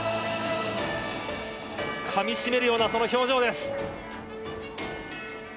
かみしめるようなその表情です。